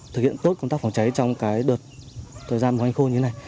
thực hiện tốt công tác phòng cháy trong cái đợt thời gian ngoài khô như thế này